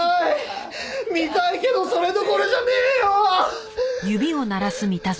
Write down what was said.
見たいけどそれどころじゃねえよ！